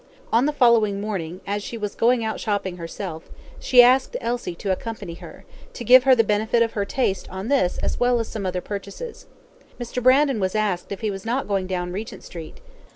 On the following morning, as she was going out shopping herself, she asked Elsie to accompany her, to give her the benefit of her taste on this as well as some other purchases. Mr. Brandon was asked if he was not going down Regent Street?